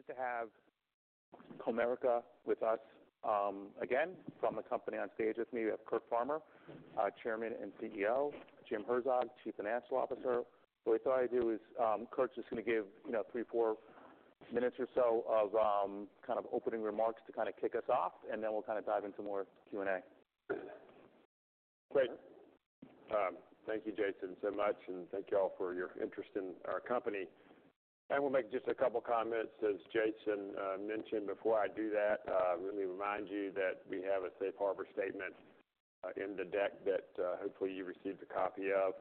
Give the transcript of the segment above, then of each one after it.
Pleased to have Comerica with us, again. From the company on stage with me, we have Curt Farmer, our Chairman and CEO, Jim Herzog, Chief Financial Officer. What we thought I'd do is, Curt's just going to give, you know, three, four minutes or so of, kind of opening remarks to kind of kick us off, and then we'll kind of dive into more Q&A. Great. Thank you, Jason, so much, and thank you all for your interest in our company. I will make just a couple comments, as Jason mentioned. Before I do that, let me remind you that we have a safe harbor statement in the deck that hopefully you received a copy of,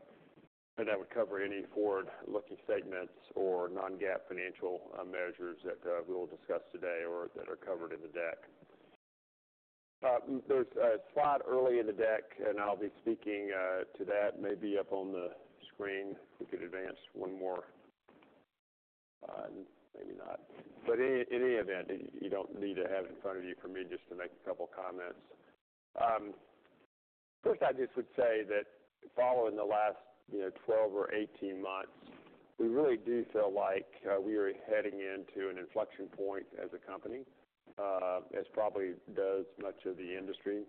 and that would cover any forward-looking statements or non-GAAP financial measures that we will discuss today or that are covered in the deck. There's a slide early in the deck, and I'll be speaking to that, maybe up on the screen. If we could advance one more. Maybe not. But in any event, you don't need to have it in front of you for me just to make a couple comments. First, I just would say that following the last, you know, twelve or eighteen months, we really do feel like we are heading into an inflection point as a company, as probably does much of the industry,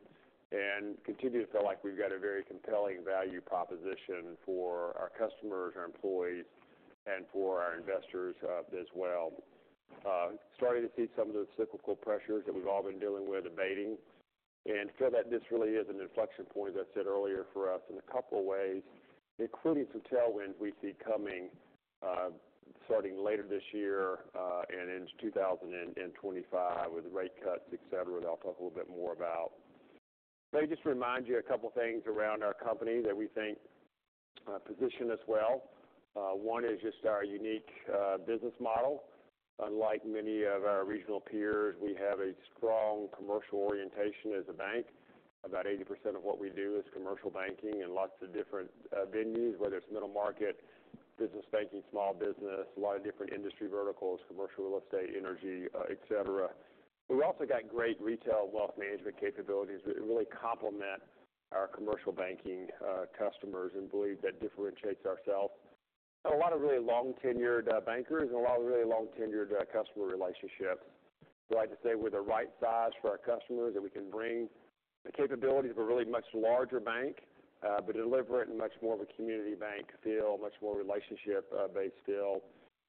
and continue to feel like we've got a very compelling value proposition for our customers, our employees, and for our investors, as well. Starting to see some of the cyclical pressures that we've all been dealing with abating, and feel that this really is an inflection point, as I said earlier, for us in a couple of ways, including some tailwinds we see coming, starting later this year, and into two thousand and twenty-five with the rate cuts, et cetera, that I'll talk a little bit more about. Let me just remind you a couple of things around our company that we think position us well. One is just our unique business model. Unlike many of our regional peers, we have a strong commercial orientation as a bank. About 80% of what we do is commercial banking in lots of different venues, whether it's middle market, business banking, small business, a lot of different industry verticals, commercial real estate, energy, et cetera. We've also got great retail wealth management capabilities that really complement our commercial banking customers, and believe that differentiates ourselves. A lot of really long-tenured bankers and a lot of really long-tenured customer relationships. We like to say we're the right size for our customers, that we can bring the capabilities of a really much larger bank, but deliver it in much more of a community bank feel, much more relationship based feel,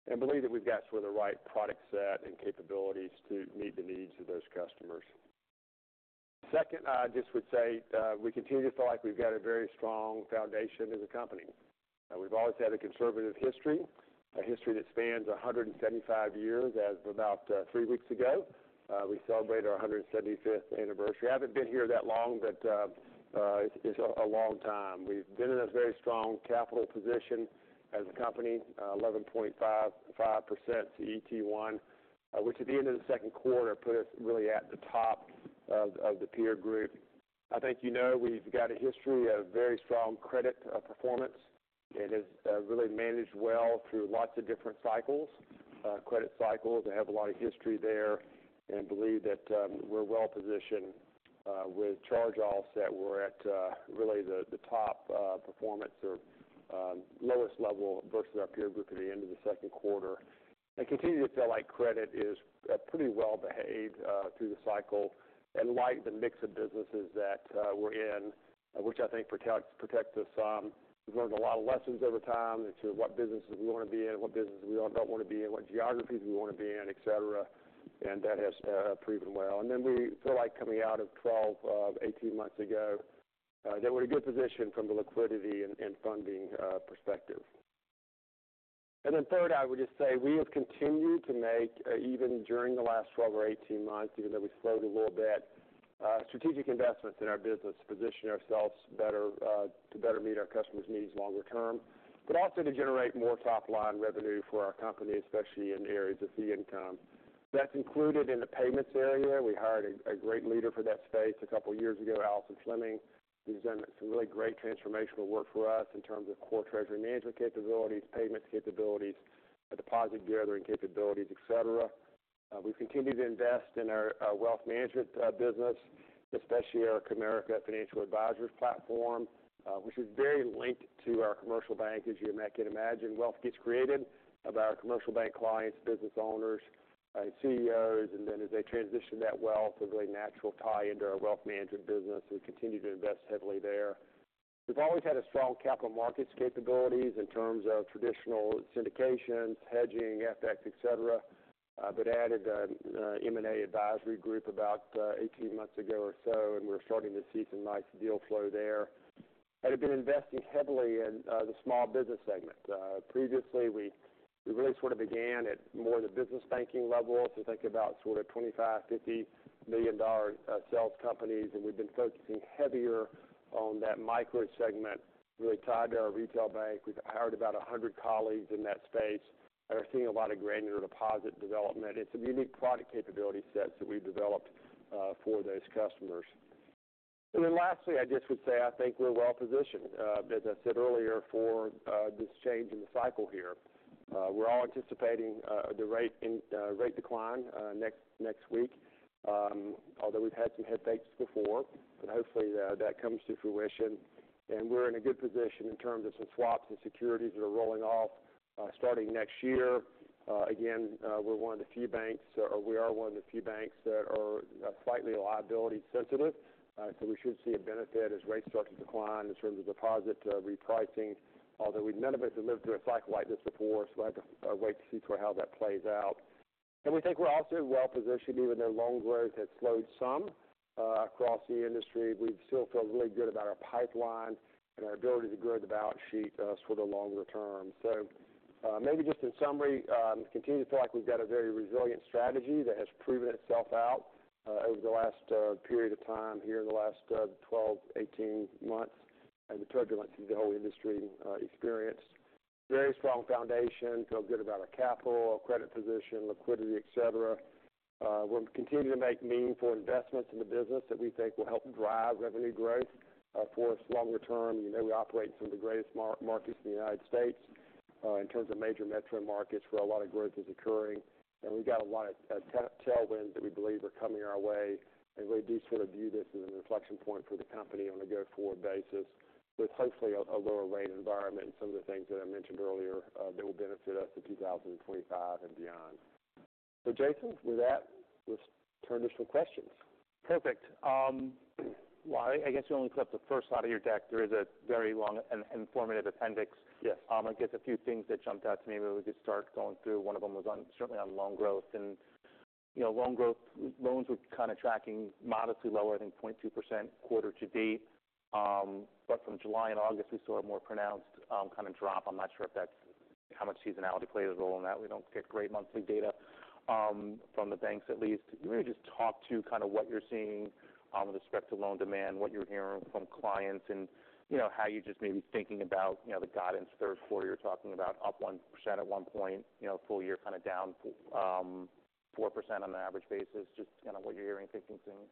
and believe that we've got sort of the right product set and capabilities to meet the needs of those customers. Second, I just would say, we continue to feel like we've got a very strong foundation as a company. We've always had a conservative history, a history that spans a hundred and seventy-five years as of about three weeks ago. We celebrated our hundred and seventy-fifth anniversary. I haven't been here that long, but it's a long time. We've been in a very strong capital position as a company, 11.55% CET1, which at the end of the second quarter put us really at the top of the peer group. I think you know, we've got a history of very strong credit performance and have really managed well through lots of different cycles, credit cycles, and have a lot of history there, and believe that we're well positioned with charge-offs that we're at really the top performance or lowest level versus our peer group at the end of the second quarter. I continue to feel like credit is pretty well behaved through the cycle and like the mix of businesses that we're in, which I think protects us. We've learned a lot of lessons over time into what businesses we want to be in, what businesses we all don't want to be in, what geographies we want to be in, et cetera, and that has proven well. And then we feel like coming out of 12 to 18 months ago that we're in a good position from the liquidity and funding perspective. And then third, I would just say we have continued to make even during the last 12 or 18 months, even though we slowed a little bit, strategic investments in our business to position ourselves better to better meet our customers' needs longer term, but also to generate more top-line revenue for our company, especially in areas of fee income. That's included in the payments area. We hired a great leader for that space a couple of years ago, Allison Fleming, who's done some really great transformational work for us in terms of core treasury management capabilities, payments capabilities, deposit gathering capabilities, et cetera. We've continued to invest in our wealth management business, especially our Comerica Financial Advisors platform, which is very linked to our commercial bank. As you might can imagine, wealth gets created by our commercial bank clients, business owners, CEOs, and then as they transition that wealth, a really natural tie into our wealth management business. We continue to invest heavily there. We've always had a strong capital markets capabilities in terms of traditional syndications, hedging, FX, et cetera, but added an M&A advisory group about eighteen months ago or so, and we're starting to see some nice deal flow there. And have been investing heavily in the small business segment. Previously, we really sort of began at more the business banking level, so think about sort of 25, 50 million-dollar sales companies, and we've been focusing heavier on that micro segment, really tied to our retail bank. We've hired about 100 colleagues in that space and are seeing a lot of granular deposit development. It's a unique product capability set that we've developed for those customers. And then lastly, I just would say, I think we're well positioned, as I said earlier, for this change in the cycle here. We're all anticipating the rate in rate decline next week. Although we've had some head fakes before, but hopefully that comes to fruition. We're in a good position in terms of some swaps and securities that are rolling off, starting next year. Again, we're one of the few banks, or we are one of the few banks that are slightly liability sensitive. So we should see a benefit as rate structures decline in terms of deposit repricing, although we've none of us have lived through a cycle like this before, so we'll have to wait to see sort of how that plays out. We think we're also well-positioned, even though loan growth has slowed some across the industry. We still feel really good about our pipeline and our ability to grow the balance sheet, sort of longer term. So, maybe just in summary, continue to feel like we've got a very resilient strategy that has proven itself out over the last period of time here in the last 12, 18 months, and the turbulence that the whole industry experienced. Very strong foundation, feel good about our capital, our credit position, liquidity, et cetera. We'll continue to make meaningful investments in the business that we think will help drive revenue growth for us longer term. You know, we operate in some of the greatest markets in the United States in terms of major metro markets where a lot of growth is occurring, and we've got a lot of tailwinds that we believe are coming our way. We do sort of view this as an inflection point for the company on a go-forward basis, with hopefully a lower rate environment and some of the things that I mentioned earlier, that will benefit us in 2025 and beyond. Jason, with that, let's turn to some questions. Perfect. Well, I guess you only flipped the first slide of your deck. There is a very long and informative appendix. Yes. I guess a few things that jumped out to me, maybe we could start going through. One of them was on, certainly on loan growth, and you know, loan growth, loans were kind of tracking modestly lower than 0.2% quarter to date. But from July and August, we saw a more pronounced, kind of drop. I'm not sure if that's how much seasonality played a role in that. We don't get great monthly data, from the banks at least. Can you maybe just talk to kind of what you're seeing, with respect to loan demand, what you're hearing from clients, and, you know, how you're just maybe thinking about, you know, the guidance. Third quarter, you're talking about up 1% at one point, you know, full year kind of down 4% on an average basis. Just kind of what you're hearing and thinking there?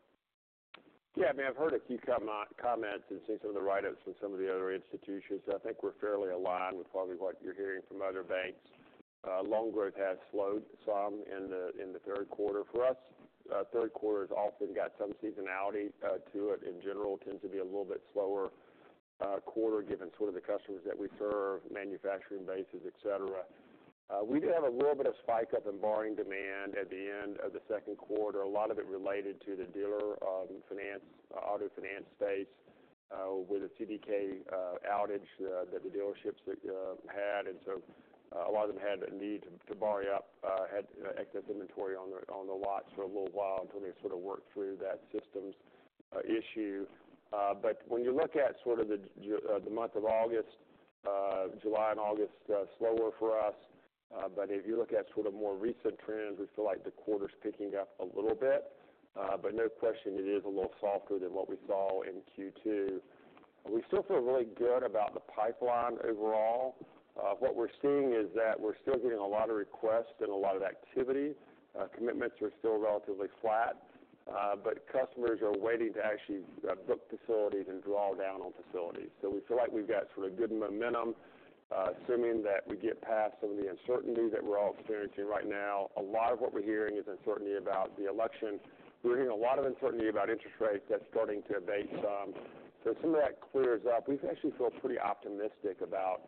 Yeah, I mean, I've heard a few comments and seen some of the write-ups from some of the other institutions. I think we're fairly aligned with probably what you're hearing from other banks. Loan growth has slowed some in the third quarter. For us, third quarter has often got some seasonality to it. In general, tends to be a little bit slower quarter, given sort of the customers that we serve, manufacturing bases, et cetera. We did have a little bit of spike up in borrowing demand at the end of the second quarter. A lot of it related to the dealer finance, auto finance space with the CDK outage that the dealerships had. And so a lot of them had the need to borrow up, had excess inventory on their lots for a little while until they sort of worked through that systems issue. But when you look at sort of the month of August, July and August, slower for us, but if you look at sort of more recent trends, we feel like the quarter's picking up a little bit. But no question, it is a little softer than what we saw in Q2. We still feel really good about the pipeline overall. What we're seeing is that we're still getting a lot of requests and a lot of activity. Commitments are still relatively flat, but customers are waiting to actually book facilities and draw down on facilities. We feel like we've got sort of good momentum, assuming that we get past some of the uncertainty that we're all experiencing right now. A lot of what we're hearing is uncertainty about the election. We're hearing a lot of uncertainty about interest rates. That's starting to abate some. Once some of that clears up, we actually feel pretty optimistic about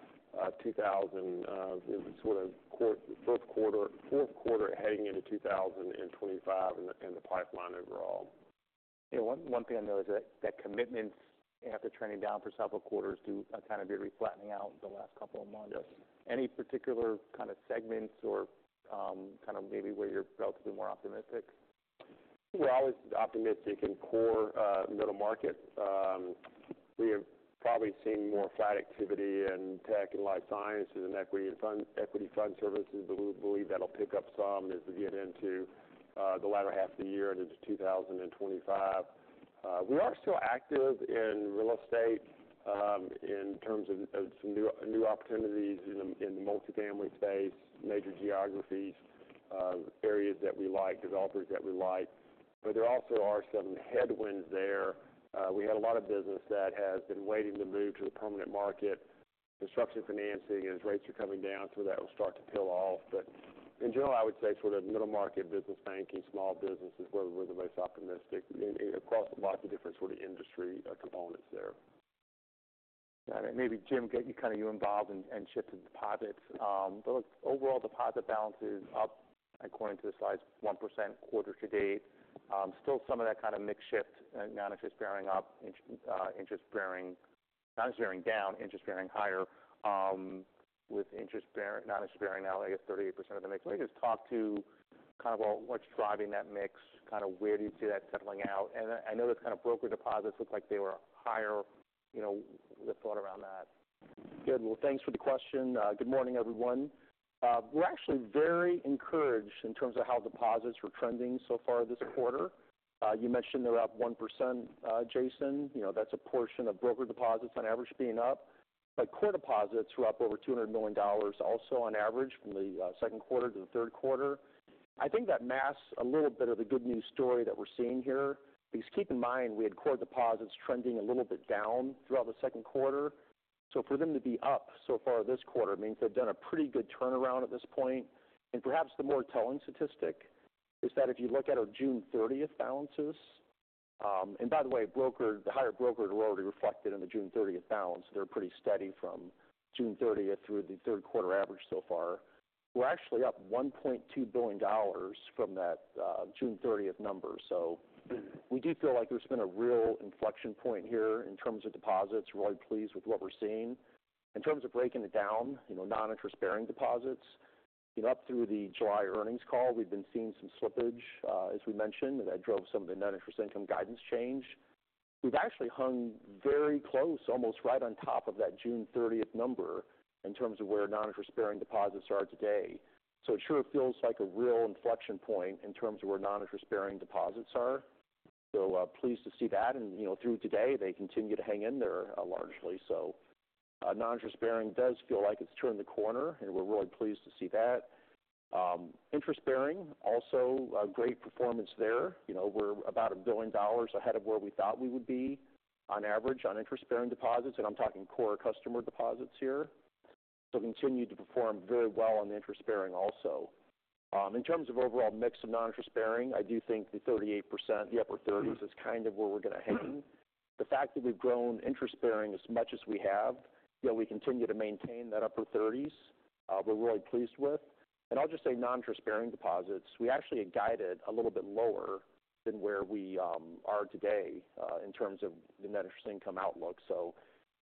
2024 sort of third quarter, fourth quarter, heading into 2025 and the pipeline overall. Yeah. One thing I know is that commitments after trending down for several quarters do kind of be re-flattening out in the last couple of months. Yes. Any particular kind of segments or, kind of maybe where you're relatively more optimistic? We're always optimistic in core, middle market. We have probably seen more flat activity in tech and life sciences and equity and fund, Equity Fund Services, but we believe that'll pick up some as we get into the latter half of the year into 2025. We are still active in real estate in terms of some new opportunities in the multifamily space, major geographies, areas that we like, developers that we like, but there also are some headwinds there. We had a lot of business that has been waiting to move to a permanent market. Construction financing, as rates are coming down, so that will start to peel off. But in general, I would say sort of middle market, business banking, small business is where we're the most optimistic in, across a lot of different sort of industry components there. Got it. Maybe Jim, get you kind of involved and shift to deposits. The overall deposit balance is up, according to the slides, 1% quarter to date. Still some of that kind of mix shift, non-interest-bearing up, interest-bearing. Non-interest-bearing down, interest-bearing higher, with interest-bearing, non-interest-bearing now, I guess, 38% of the mix. Can you just talk to kind of what, what's driving that mix? Kind of where do you see that settling out? And I know that kind of broker deposits looked like they were higher. You know, the thought around that. Good. Well, thanks for the question. Good morning, everyone. We're actually very encouraged in terms of how deposits were trending so far this quarter. You mentioned they're up 1%, Jason. You know, that's a portion of broker deposits on average being up, but core deposits were up over $200 million also on average from the second quarter to the third quarter. I think that masks a little bit of the good news story that we're seeing here, because keep in mind, we had core deposits trending a little bit down throughout the second quarter. So for them to be up so far this quarter means they've done a pretty good turnaround at this point. Perhaps the more telling statistic is that if you look at our June thirtieth balances, and by the way, brokered, the higher brokered are already reflected in the June thirtieth balance. They're pretty steady from June thirtieth through the third quarter average so far. We're actually up $1.2 billion from that June thirtieth number. So we do feel like there's been a real inflection point here in terms of deposits. We're really pleased with what we're seeing. In terms of breaking it down, you know, non-interest bearing deposits, up through the July earnings call, we've been seeing some slippage, as we mentioned, and that drove some of the non-interest income guidance change. We've actually hung very close, almost right on top of that June thirtieth number in terms of where non-interest bearing deposits are today. So it sure feels like a real inflection point in terms of where non-interest bearing deposits are. So, pleased to see that, and, you know, through today, they continue to hang in there, largely. So, non-interest bearing does feel like it's turned the corner, and we're really pleased to see that. Interest bearing, also a great performance there. You know, we're about $1 billion ahead of where we thought we would be on average on interest bearing deposits, and I'm talking core customer deposits here. So continued to perform very well on the interest bearing also. In terms of overall mix of non-interest bearing, I do think the 38%, the upper thirties, is kind of where we're going to hang. The fact that we've grown interest bearing as much as we have, yet we continue to maintain that upper thirties, we're really pleased with, and I'll just say, non-interest bearing deposits, we actually had guided a little bit lower than where we are today, in terms of the net interest income outlook, so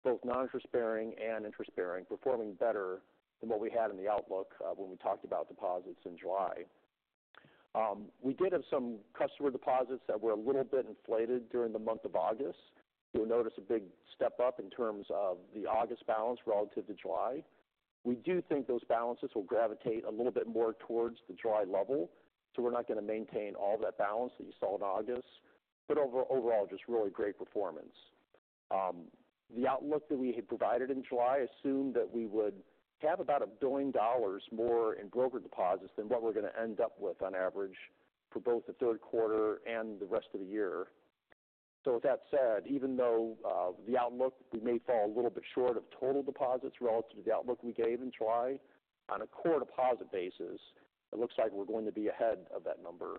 both non-interest bearing and interest bearing, performing better than what we had in the outlook, when we talked about deposits in July. We did have some customer deposits that were a little bit inflated during the month of August. You'll notice a big step up in terms of the August balance relative to July. We do think those balances will gravitate a little bit more towards the July level, so we're not going to maintain all that balance that you saw in August, but overall, just really great performance. The outlook that we had provided in July assumed that we would have about $1 billion more in broker deposits than what we're going to end up with on average for both the third quarter and the rest of the year. So with that said, even though, the outlook, we may fall a little bit short of total deposits relative to the outlook we gave in July, on a core deposit basis, it looks like we're going to be ahead of that number.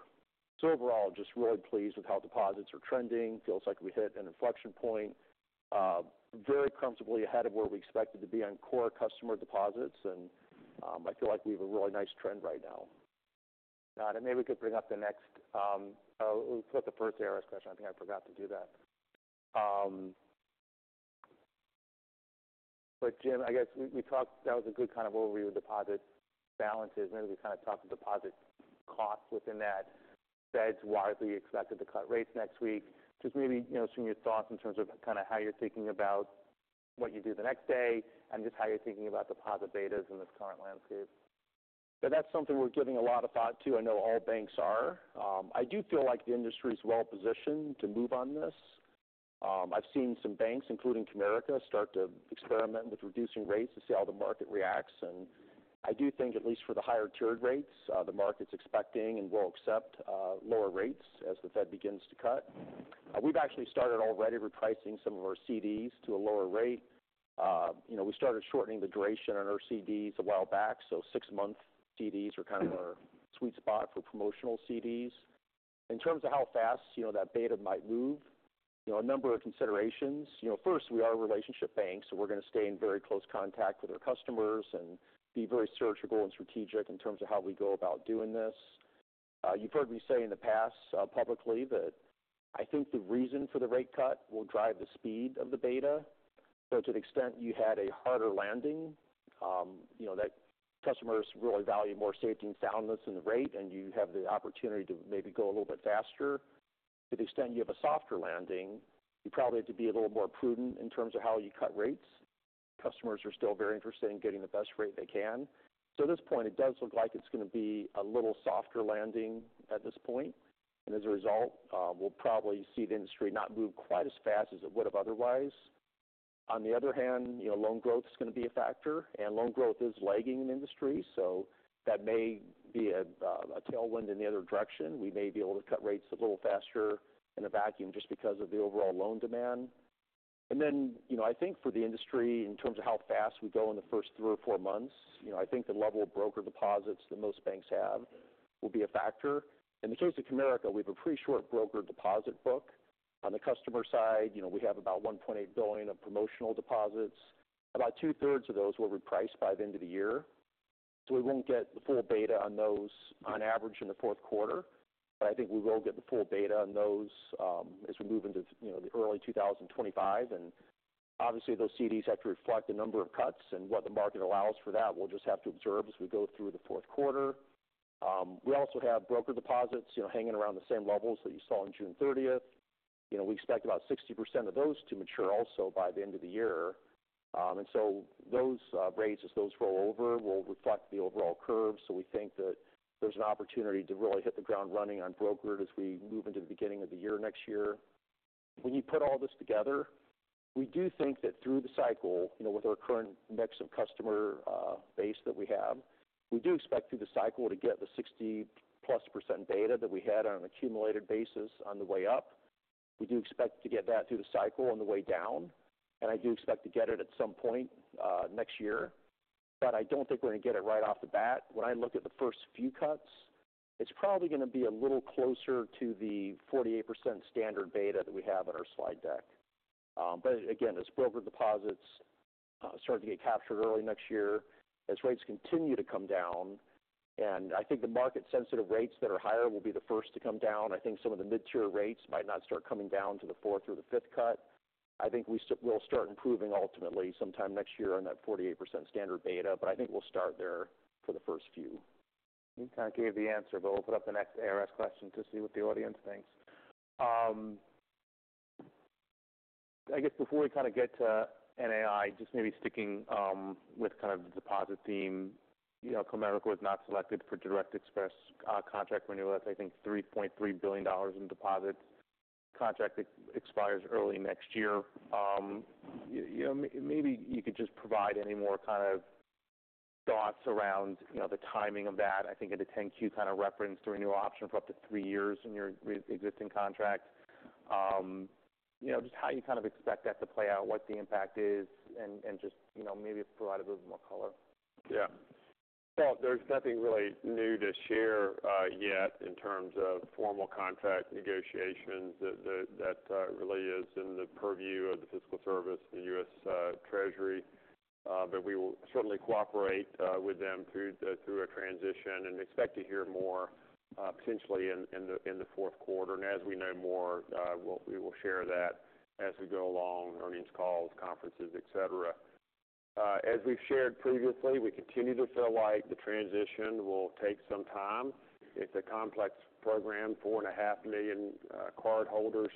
So overall, just really pleased with how deposits are trending. Feels like we hit an inflection point, very comfortably ahead of where we expected to be on core customer deposits, and, I feel like we have a really nice trend right now. Got it. Maybe we could bring up the next, let's put the first error question. I think I forgot to do that. But Jim, I guess we talked. That was a good kind of overview of deposit balances. Maybe we kind of talk the deposit costs within that. Fed's widely expected to cut rates next week. Just maybe, you know, some of your thoughts in terms of kind of how you're thinking about what you do the next day and just how you're thinking about deposit betas in this current landscape. So that's something we're giving a lot of thought to. I know all banks are. I do feel like the industry is well-positioned to move on this. I've seen some banks, including Comerica, start to experiment with reducing rates to see how the market reacts. And I do think, at least for the higher tiered rates, the market's expecting and will accept lower rates as the Fed begins to cut. We've actually started already repricing some of our CDs to a lower rate. You know, we started shortening the duration on our CDs a while back, so six-month CDs are kind of our sweet spot for promotional CDs. In terms of how fast, you know, that beta might move, you know, a number of considerations. You know, first, we are a relationship bank, so we're going to stay in very close contact with our customers and be very surgical and strategic in terms of how we go about doing this. You've heard me say in the past, publicly, that I think the reason for the rate cut will drive the speed of the beta. So to the extent you had a harder landing, you know, that customers really value more safety and soundness in the rate, and you have the opportunity to maybe go a little bit faster. To the extent you have a softer landing, you probably have to be a little more prudent in terms of how you cut rates. Customers are still very interested in getting the best rate they can. So at this point, it does look like it's going to be a little softer landing at this point. And as a result, we'll probably see the industry not move quite as fast as it would have otherwise. On the other hand, you know, loan growth is going to be a factor, and loan growth is lagging in the industry, so that may be a a tailwind in the other direction. We may be able to cut rates a little faster in a vacuum just because of the overall loan demand. And then, you know, I think for the industry, in terms of how fast we go in the first three or four months, you know, I think the level of broker deposits that most banks have will be a factor. In the case of Comerica, we have a pretty short broker deposit book. On the customer side, you know, we have about $1.8 billion of promotional deposits. About two-thirds of those will reprice by the end of the year. So we won't get the full beta on those on average in the fourth quarter, but I think we will get the full beta on those, as we move into, you know, the early 2025. And obviously, those CDs have to reflect the number of cuts and what the market allows for that. We'll just have to observe as we go through the fourth quarter. We also have broker deposits, you know, hanging around the same levels that you saw on June thirtieth. You know, we expect about 60% of those to mature also by the end of the year. And so those rates, as those roll over, will reflect the overall curve. So we think that there's an opportunity to really hit the ground running on brokered as we move into the beginning of the year, next year.... When you put all this together, we do think that through the cycle, you know, with our current mix of customer base that we have, we do expect through the cycle to get the 60+% beta that we had on an accumulated basis on the way up. We do expect to get that through the cycle on the way down, and I do expect to get it at some point, next year. But I don't think we're going to get it right off the bat. When I look at the first few cuts, it's probably going to be a little closer to the 48% standard beta that we have in our slide deck. But again, as broker deposits start to get captured early next year, as rates continue to come down, and I think the market-sensitive rates that are higher will be the first to come down. I think some of the mid-tier rates might not start coming down to the fourth or the fifth cut. I think we'll start improving ultimately sometime next year on that 48% deposit beta, but I think we'll start there for the first few. You kind of gave the answer, but we'll put up the next ARS question to see what the audience thinks. I guess before we kind of get to NII, just maybe sticking with kind of the deposit theme. You know, Comerica was not selected for Direct Express contract renewal, that's, I think, $3.3 billion in deposits. Contract expires early next year. You know, maybe you could just provide any more kind of thoughts around, you know, the timing of that. I think at the 10-Q kind of reference, the renewal option for up to three years in your existing contract. You know, just how you kind of expect that to play out, what the impact is, and just, you know, maybe provide a little more color. Yeah. Well, there's nothing really new to share yet in terms of formal contract negotiations. That really is in the purview of the Fiscal Service, the U.S. Treasury. But we will certainly cooperate with them through a transition and expect to hear more potentially in the fourth quarter, and as we know more, we'll share that as we go along, earnings calls, conferences, et cetera. As we've shared previously, we continue to feel like the transition will take some time. It's a complex program, 4.5 million cardholders.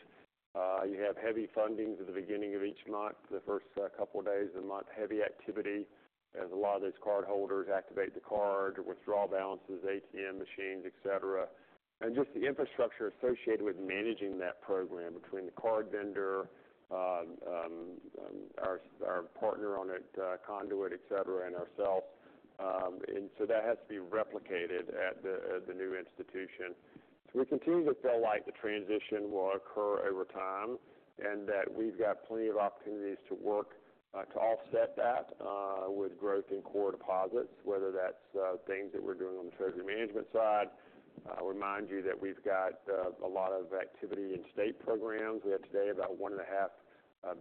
You have heavy fundings at the beginning of each month, the first couple of days of the month, heavy activity, as a lot of those cardholders activate the card, or withdraw balances, ATM machines, et cetera. And just the infrastructure associated with managing that program between the card vendor, our partner on it, Conduent, et cetera, and ourselves. And so that has to be replicated at the new institution. So we continue to feel like the transition will occur over time, and that we've got plenty of opportunities to work to offset that with growth in core deposits, whether that's things that we're doing on the treasury management side. I'll remind you that we've got a lot of activity in state programs. We have today about $1.5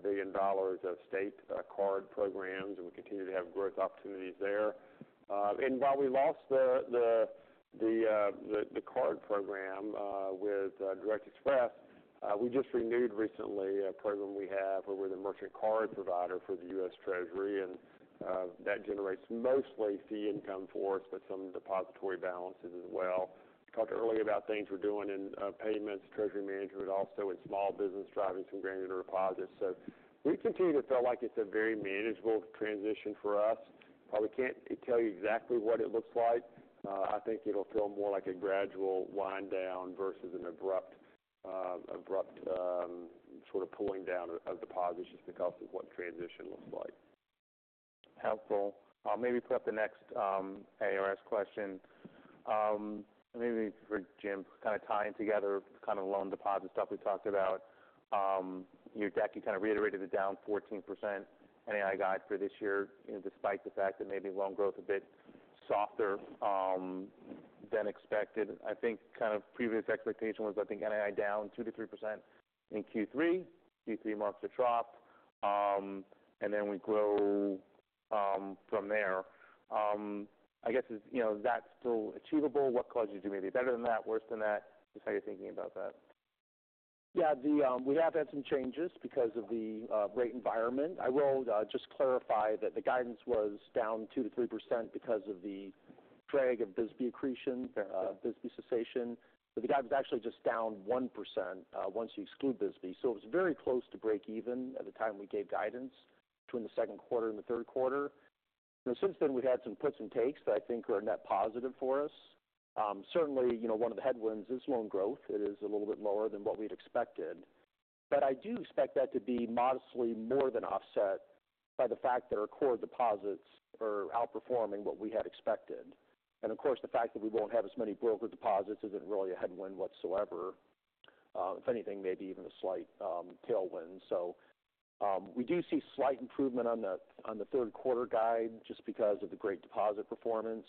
billion of state card programs, and we continue to have growth opportunities there. And while we lost the card program with Direct Express, we just renewed recently a program we have where we're the merchant card provider for the U.S. Treasury, and that generates mostly fee income for us, but some depository balances as well. Talked earlier about things we're doing in payments, treasury management, also in small business, driving some granular deposits. So we continue to feel like it's a very manageable transition for us. While we can't tell you exactly what it looks like, I think it'll feel more like a gradual wind down versus an abrupt sort of pulling down of deposits just because of what transition looks like. Helpful. Maybe put up the next ARS question. Maybe for Jim, kind of tying together kind of loan deposit stuff we talked about. Your deck, you kind of reiterated it down 14%, NII guide for this year, you know, despite the fact that maybe loan growth a bit softer than expected. I think kind of previous expectation was, I think NII down 2%-3% in Q3. Q3 marks a drop, and then we grow from there. I guess, you know, is that still achievable? What caused you to maybe better than that, worse than that? Just how you're thinking about that. Yeah, we have had some changes because of the rate environment. I will just clarify that the guidance was down 2%-3% because of the drag of BSBY accretion, BSBY cessation. But the guide was actually just down 1%, once you exclude BSBY. So it was very close to break even at the time we gave guidance between the second quarter and the third quarter. And since then, we've had some puts and takes that I think are a net positive for us. Certainly, you know, one of the headwinds is loan growth. It is a little bit lower than what we'd expected, but I do expect that to be modestly more than offset by the fact that our core deposits are outperforming what we had expected. And of course, the fact that we won't have as many broker deposits isn't really a headwind whatsoever. If anything, maybe even a slight tailwind. So, we do see slight improvement on the third quarter guide, just because of the great deposit performance.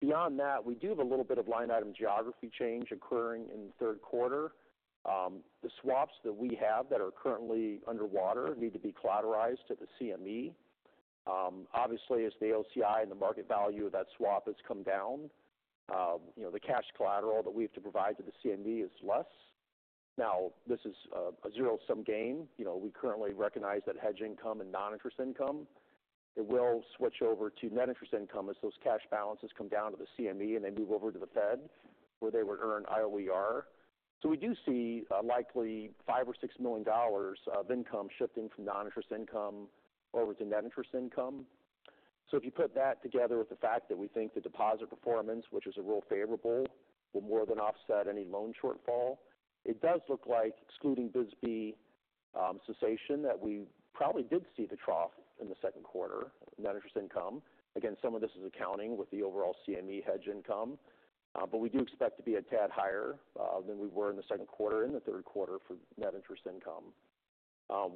Beyond that, we do have a little bit of line item geography change occurring in the third quarter. The swaps that we have that are currently underwater need to be collateralized to the CME. Obviously, as the LCI and the market value of that swap has come down, you know, the cash collateral that we have to provide to the CME is less. Now, this is a zero-sum game. You know, we currently recognize that hedge income and non-interest income, it will switch over to net interest income as those cash balances come down to the CME and then move over to the Fed, where they would earn IOER. So we do see a likely $5 million-$6 million of income shifting from non-interest income over to net interest income. So if you put that together with the fact that we think the deposit performance, which is a real favorable, will more than offset any loan shortfall, it does look like excluding BSBY cessation, that we probably did see the trough in the second quarter, net interest income. Again, some of this is accounting with the overall CME hedge income, but we do expect to be a tad higher than we were in the second quarter, in the third quarter for net interest income.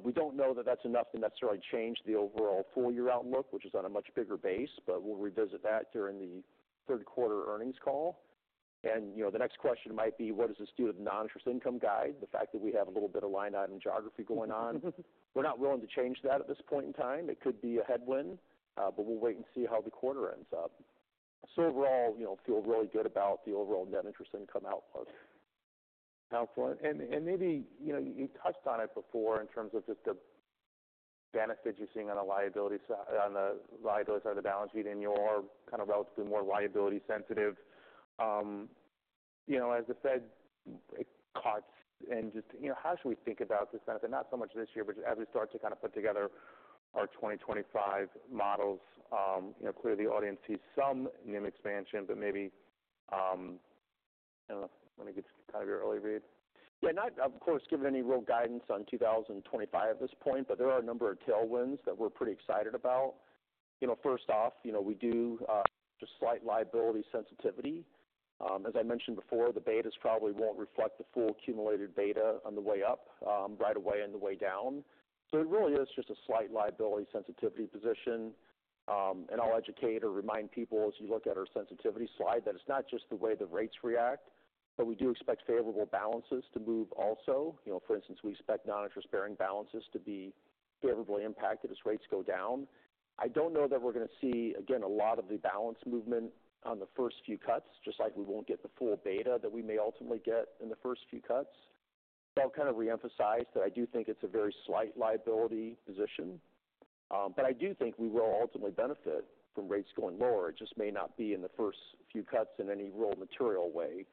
We don't know that that's enough to necessarily change the overall full year outlook, which is on a much bigger base, but we'll revisit that during the third quarter earnings call. You know, the next question might be, what does this do to the non-interest income guide? The fact that we have a little bit of line item geography going on, we're not willing to change that at this point in time. It could be a headwind, but we'll wait and see how the quarter ends up. Overall, you know, feel really good about the overall net interest income outlook. Outflow. And, and maybe, you know, you touched on it before in terms of just the benefits you're seeing on the liability side, on the liability side of the balance sheet, and you're kind of relatively more liability sensitive. You know, as I said, it cuts and just, you know, how should we think about this benefit? Not so much this year, but as we start to kind of put together our twenty twenty-five models, you know, clearly the audience sees some NIM expansion, but maybe, I don't know, let me get kind of your early read. Yeah. Not, of course, give any real guidance on 2025 at this point, but there are a number of tailwinds that we're pretty excited about. You know, first off, you know, we do just slight liability sensitivity. As I mentioned before, the betas probably won't reflect the full accumulated beta on the way up right away on the way down. So it really is just a slight liability sensitivity position. And I'll educate or remind people as you look at our sensitivity slide, that it's not just the way the rates react, but we do expect favorable balances to move also. You know, for instance, we expect non-interest-bearing balances to be favorably impacted as rates go down. I don't know that we're going to see, again, a lot of the balance movement on the first few cuts, just like we won't get the full beta that we may ultimately get in the first few cuts. So I'll kind of reemphasize that I do think it's a very slight liability position, but I do think we will ultimately benefit from rates going lower. It just may not be in the first few cuts in any real material way.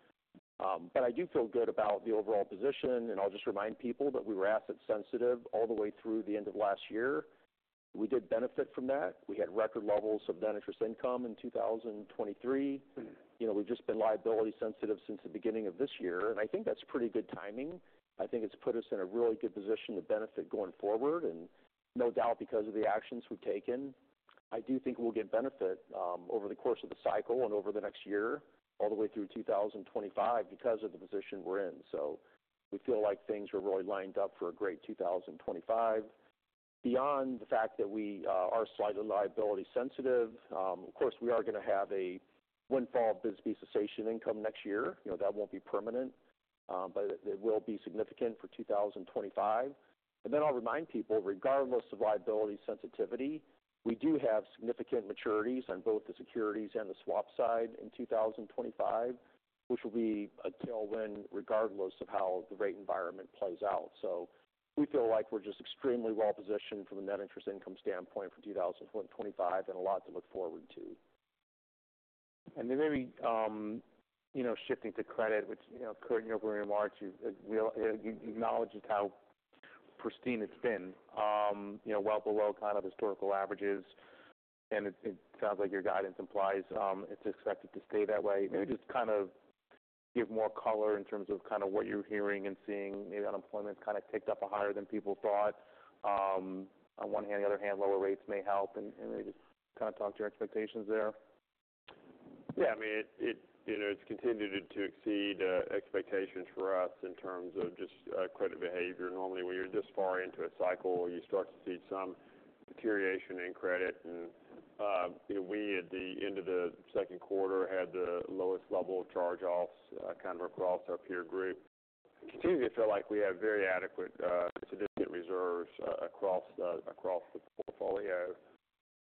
But I do feel good about the overall position, and I'll just remind people that we were asset sensitive all the way through the end of last year. We did benefit from that. We had record levels of net interest income in two thousand and twenty-three. You know, we've just been liability sensitive since the beginning of this year, and I think that's pretty good timing. I think it's put us in a really good position to benefit going forward, and no doubt, because of the actions we've taken. I do think we'll get benefit over the course of the cycle and over the next year, all the way through two thousand and twenty-five, because of the position we're in. So we feel like things are really lined up for a great two thousand and twenty-five. Beyond the fact that we are slightly liability sensitive, of course, we are going to have a windfall BSBY cessation income next year. You know, that won't be permanent, but it will be significant for 2025. And then I'll remind people, regardless of liability sensitivity, we do have significant maturities on both the securities and the swap side in two thousand and twenty-five, which will be a tailwind regardless of how the rate environment plays out. So we feel like we're just extremely well-positioned from a net interest income standpoint for two thousand and twenty-five, and a lot to look forward to. And then maybe, you know, shifting to credit, which, you know, Curt, you know, very large, you acknowledge just how pristine it's been. You know, well below kind of historical averages, and it sounds like your guidance implies, it's expected to stay that way. Maybe just kind of give more color in terms of kind of what you're hearing and seeing. Maybe unemployment's kind of ticked up higher than people thought. On one hand, the other hand, lower rates may help and maybe just kind of talk to your expectations there. Yeah, I mean, you know, it's continued to exceed expectations for us in terms of just credit behavior. Normally, when you're this far into a cycle, you start to see some deterioration in credit, and, you know, we, at the end of the second quarter, had the lowest level of charge-offs kind of across our peer group. Continue to feel like we have very adequate sufficient reserves across the portfolio.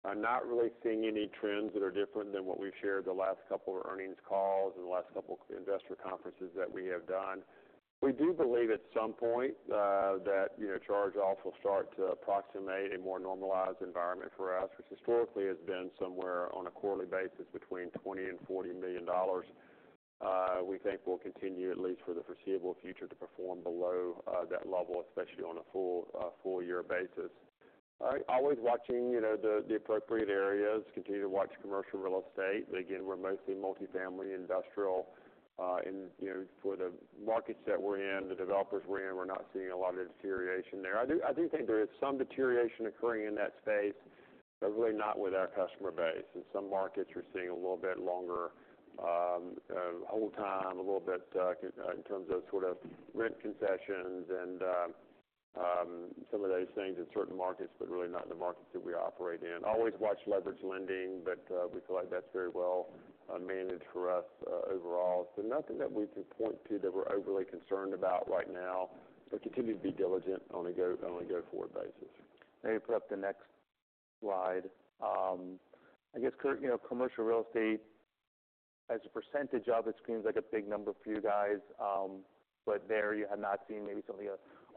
I'm not really seeing any trends that are different than what we've shared the last couple of earnings calls and the last couple of investor conferences that we have done. We do believe at some point, that, you know, charge-offs will start to approximate a more normalized environment for us, which historically has been somewhere on a quarterly basis between $20 million and $40 million. We think we'll continue, at least for the foreseeable future, to perform below that level, especially on a full year basis. Always watching, you know, the appropriate areas, continue to watch commercial real estate. Again, we're mostly multifamily industrial, and, you know, for the markets that we're in, the developers we're in, we're not seeing a lot of deterioration there. I do think there is some deterioration occurring in that space, but really not with our customer base. In some markets, we're seeing a little bit longer hold time, a little bit in terms of sort of rent concessions and some of those things in certain markets, but really not in the markets that we operate in. Always watch leverage lending, but we feel like that's very well managed for us overall. So, nothing that we can point to that we're overly concerned about right now, but continue to be diligent on a go-forward basis. Maybe put up the next slide. I guess, Curt, you know, commercial real estate, as a percentage of it seems like a big number for you guys, but there you have not seen maybe some of the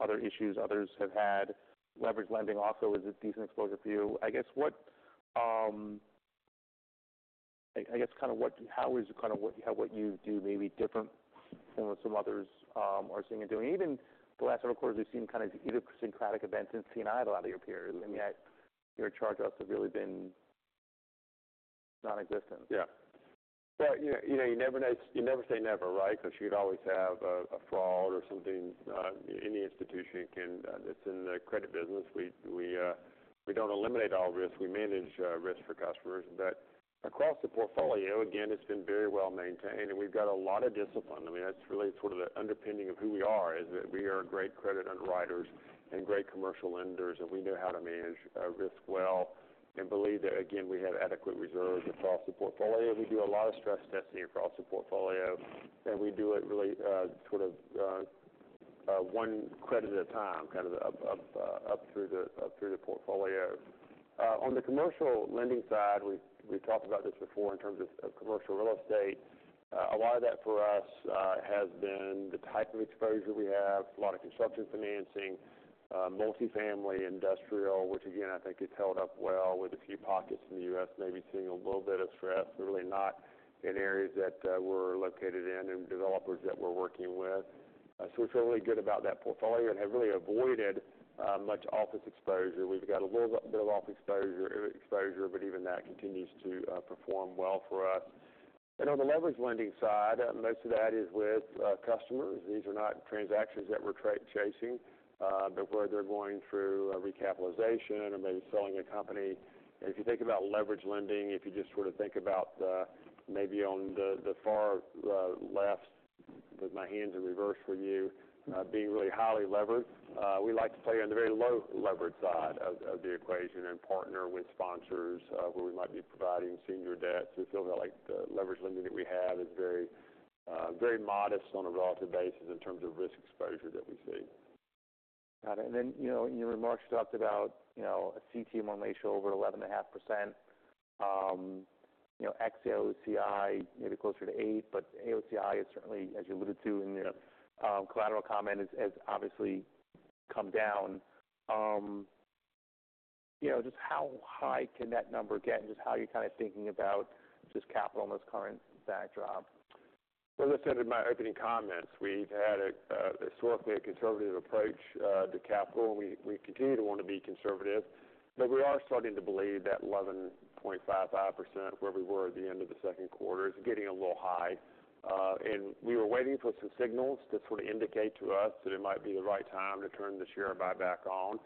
other issues others have had. Leverage lending also is a decent exposure for you. I guess kind of what you do may be different than what some others are seeing and doing? Even the last several quarters, we've seen kind of idiosyncratic events in C&I a lot of your peers, and yet your charge-offs have really been nonexistent. Yeah. But, you know, you never know. You never say never, right? Because you could always have a fraud or something. Any institution can, that's in the credit business, we don't eliminate all risk. We manage risk for customers. But across the portfolio, again, it's been very well maintained, and we've got a lot of discipline. I mean, that's really sort of the underpinning of who we are, is that we are great credit underwriters and great commercial lenders, and we know how to manage risk well, and believe that, again, we have adequate reserves across the portfolio. We do a lot of stress testing across the portfolio, and we do it really, sort of, one credit at a time, kind of up through the portfolio. On the commercial lending side, we've talked about this before in terms of commercial real estate. A lot of that for us has been the type of exposure we have, a lot of construction financing, multifamily, industrial, which again, I think has held up well with a few pockets in the U.S., maybe seeing a little bit of stress, but really not in areas that we're located in and developers that we're working with, so we feel really good about that portfolio and have really avoided much office exposure. We've got a little bit of office exposure, but even that continues to perform well for us, and on the leverage lending side, most of that is with customers. These are not transactions that we're chasing, but where they're going through a recapitalization or maybe selling a company, and if you think about leverage lending, if you just sort of think about, maybe on the far left, with my hands in reverse for you, being really highly leveraged, we like to play on the very low leverage side of the equation and partner with sponsors, where we might be providing senior debt, so we feel that, like, the leverage lending that we have is very, very modest on a relative basis in terms of risk exposure that we see. Got it. And then, you know, in your remarks, you talked about, you know, a CET1 ratio over 11.5%. You know, ex-AOCI, maybe closer to 8%, but AOCI is certainly, as you alluded to in your, collateral comment, has obviously come down. You know, just how high can that number get, and just how you're kind of thinking about just capital in this current backdrop? As I said in my opening comments, we've had historically a conservative approach to capital. We continue to want to be conservative, but we are starting to believe that 11.55%, where we were at the end of the second quarter, is getting a little high, and we were waiting for some signals to sort of indicate to us that it might be the right time to turn the share buyback on,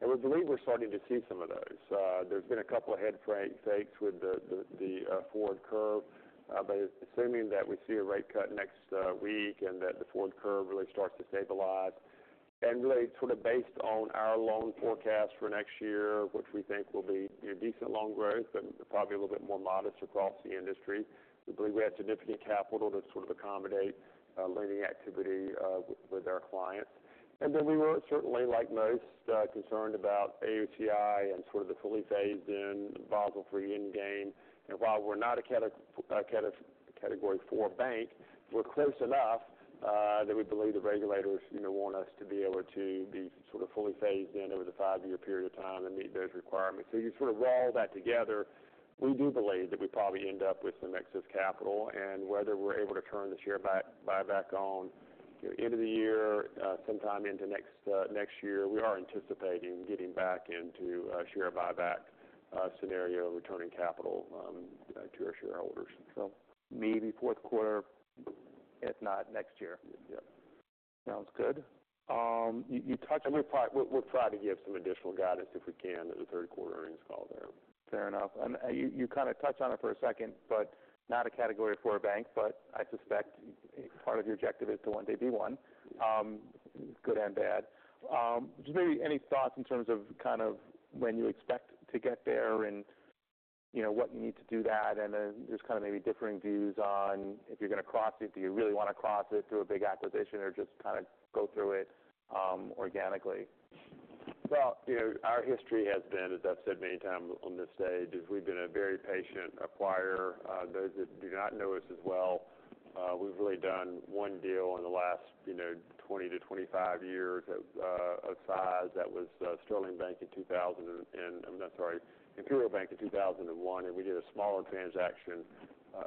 and we believe we're starting to see some of those. There's been a couple of head fakes with the forward curve, but assuming that we see a rate cut next week and that the forward curve really starts to stabilize, and really sort of based on our loan forecast for next year, which we think will be, you know, decent loan growth, but probably a little bit more modest across the industry, we believe we have significant capital to sort of accommodate lending activity with our clients. And then we were certainly, like most, concerned about AOCI and sort of the fully phased in Basel III end game. While we're not a Category IV bank, we're close enough that we believe the regulators, you know, want us to be able to be sort of fully phased in over the five-year period of time and meet those requirements. So you sort of roll that together, we do believe that we probably end up with some excess capital, and whether we're able to turn the share buyback on, you know, end of the year, sometime into next year, we are anticipating getting back into a share buyback scenario, returning capital to our shareholders. So Maybe fourth quarter, if not next year? Yep. Sounds good. You touched- We'll try to give some additional guidance, if we can, at the third quarter earnings call there. Fair enough. And you kind of touched on it for a second, but not a Category IV bank, but I suspect part of your objective is to one day be one, good and bad. Just maybe any thoughts in terms of kind of when you expect to get there and, you know, what you need to do that, and then just kind of maybe differing views on if you're going to cross it, do you really want to cross it through a big acquisition or just kind of go through it, organically? You know, our history has been, as I've said many times on this stage, is we've been a very patient acquirer. Those that do not know us as well, we've really done one deal in the last, you know, 20 to 25 years of size. That was Sterling Bank in two thousand and, I'm not sorry, Imperial Bank in two thousand and one, and we did a smaller transaction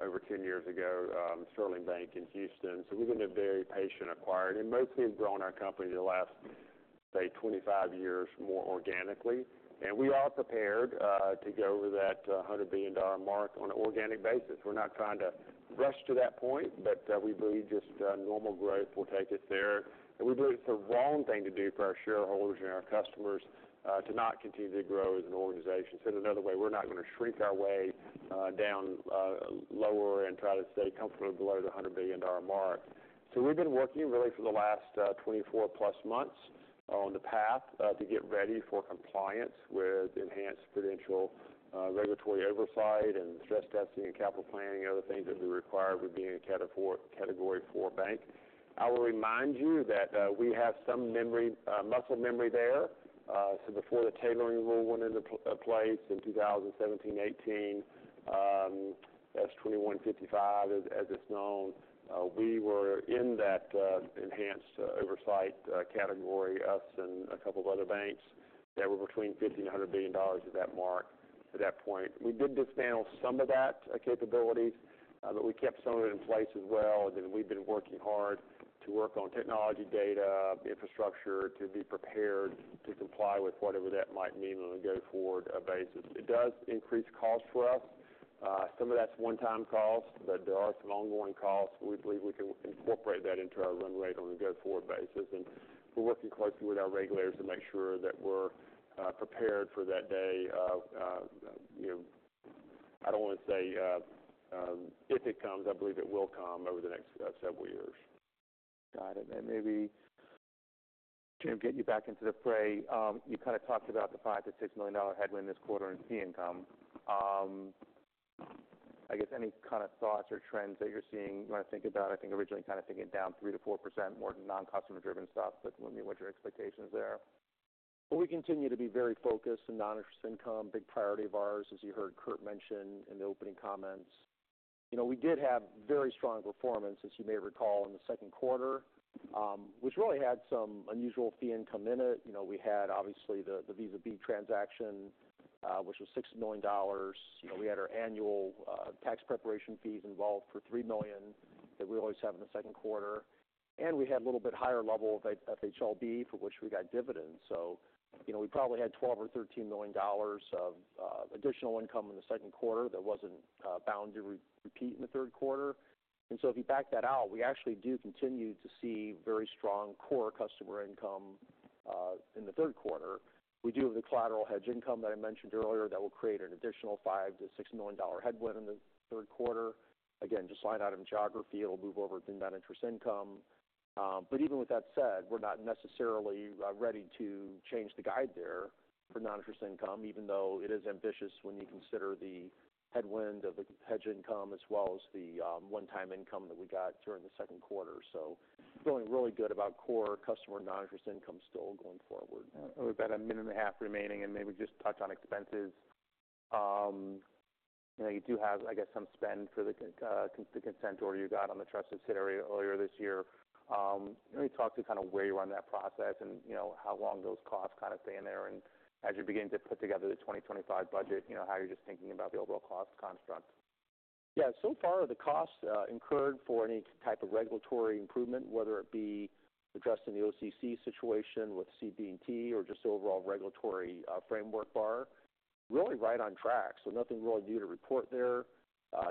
over 10 years ago, Sterling Bank in Houston. We've been a very patient acquirer, and mostly have grown our company the last, say, 25 years, more organically. We are prepared to go over that $100 billion mark on an organic basis. We're not trying to rush to that point, but we believe just normal growth will take us there. And we believe it's the wrong thing to do for our shareholders and our customers, to not continue to grow as an organization. Said another way, we're not going to shrink our way down, lower and try to stay comfortably below the $100 billion mark. So we've been working really for the last 24+ months on the path to get ready for compliance with enhanced prudential regulatory oversight and stress testing and capital planning, and other things that would be required with being a Category IV, Category IV bank. I will remind you that we have some memory muscle memory there. So before the tailoring rule went into place in two thousand and seventeen, eighteen, S.2155, as it's known, we were in that enhanced oversight category, us and a couple of other banks that were between $50 billion and $100 billion at that mark, at that point. We did dismantle some of that capability, but we kept some of it in place as well. Then we've been working hard to work on technology data, infrastructure, to be prepared to comply with whatever that might mean on a go-forward basis. It does increase costs for us. Some of that's one-time costs, but there are some ongoing costs. We believe we can incorporate that into our run rate on a go-forward basis, and we're working closely with our regulators to make sure that we're prepared for that day of, you know, I don't want to say if it comes. I believe it will come over the next several years. Got it. And maybe, Jim, get you back into the fray. You kind of talked about the $5 million-$6 million headwind this quarter in fee income. I guess any kind of thoughts or trends that you're seeing when I think about, I think, originally kind of thinking down 3%-4%, more non-customer driven stuff. But wonder what your expectations are there? We continue to be very focused in non-interest income. Big priority of ours, as you heard Kurt mention in the opening comments. You know, we did have very strong performance, as you may recall, in the second quarter, which really had some unusual fee income in it. You know, we had, obviously, the Visa B transaction, which was $6 million. You know, we had our annual tax preparation fees involved for $3 million that we always have in the second quarter, and we had a little bit higher level of FHLB, for which we got dividends. So, you know, we probably had $12 million-$13 million of additional income in the second quarter that wasn't bound to repeat in the third quarter. And so if you back that out, we actually do continue to see very strong core customer income in the third quarter. We do have the collateral hedge income that I mentioned earlier. That will create an additional $5 million-$6 million headwind in the third quarter. Again, just line item geography, it'll move over to non-interest income. But even with that said, we're not necessarily ready to change the guide there for non-interest income, even though it is ambitious when you consider the headwind of the hedge income as well as the one-time income that we got during the second quarter. So feeling really good about core customer non-interest income still going forward. We've got a minute and a half remaining, and maybe just touch on expenses. You know, you do have, I guess, some spend for the consent order you got on the trust and estate area earlier this year. Let me talk to kind of where you are in that process, and you know, how long those costs kind of stay in there, and as you begin to put together the 2025 budget, you know, how you're just thinking about the overall cost construct. Yeah. So far, the costs incurred for any type of regulatory improvement, whether it be addressing the OCC situation with CB&T or just the overall regulatory framework are really right on track. So nothing really new to report there.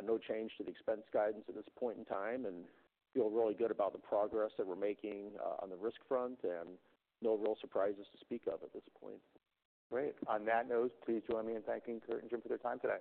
No change to the expense guidance at this point in time, and feel really good about the progress that we're making on the risk front, and no real surprises to speak of at this point. Great. On that note, please join me in thanking Curt and Jim for their time today.